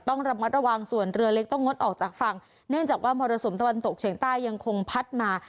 ต้องระมัดระวังส่วนเรือเล็กต้องงดออกจากฝั่งเนื่องจากว่ามรสุมตะวันตกเฉียงใต้ยังคงพัดมา